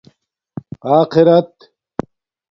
آخرت